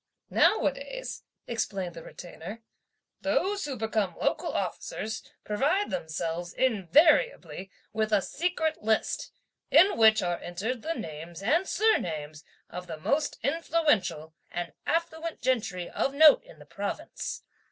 "Now a days," explained the Retainer, "those who become local officers provide themselves invariably with a secret list, in which are entered the names and surnames of the most influential and affluent gentry of note in the province.